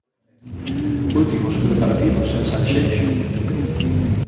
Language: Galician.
Últimos preparativos en Sanxenxo.